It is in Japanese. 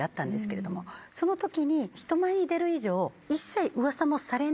その時に人前に出る以上。